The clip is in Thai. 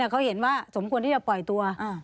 เขาเห็นว่าสมควรที่จะปล่อยตัว